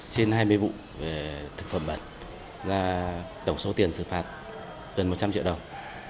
trên hai mươi vụ về thực phẩm bẩn tổng số tiền xử phạt gần một trăm linh triệu đồng